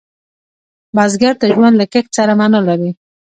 بزګر ته ژوند له کښت سره معنا لري